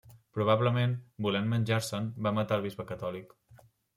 Probablement, volent venjar-se'n, van matar el bisbe catòlic.